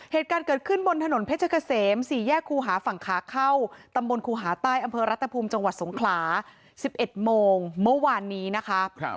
เหตุการณ์เกิดขึ้นบนถนนเพชรเกษม๔แยกครูหาฝั่งขาเข้าตำบลครูหาใต้อำเภอรัฐภูมิจังหวัดสงขลา๑๑โมงเมื่อวานนี้นะคะ